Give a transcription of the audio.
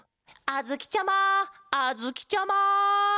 あづきちゃまあづきちゃま！